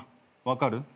分かる？